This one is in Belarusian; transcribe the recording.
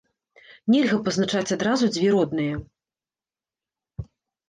Нельга пазначаць адразу дзве родныя.